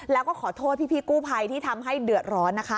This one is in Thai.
แล้วก็ขอโทษพี่กู้ภัยที่ทำให้เดือดร้อนนะคะ